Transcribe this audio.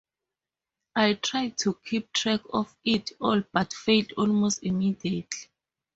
I tried to keep track of it all but failed almost immediately.